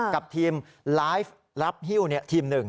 กับทีมไลฟ์รับฮิ้วทีมหนึ่ง